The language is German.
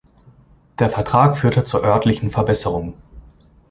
Der Vertrag führte zu örtlichen Verbesserungen.